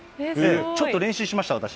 ちょっと練習しました、私。